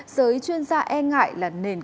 giới chuyên gia e ngại là nền kinh tế